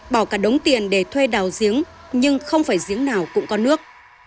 bỏ cả đống tiền để thuê đào giếng nhưng không phải giếng nào cũng có nước